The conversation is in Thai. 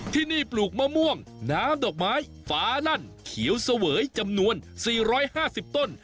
ที่นี่ปลูกมะม่วงน้ำดอกไม้ฟ้าลั่นเขียวเสวยจำนวน๔๕๐ต้น